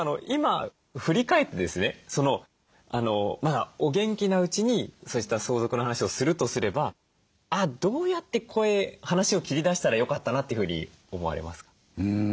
今振り返ってですねお元気なうちにそうした相続の話をするとすればどうやって話を切り出したらよかったなというふうに思われますか？